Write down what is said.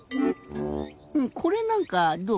これなんかどう？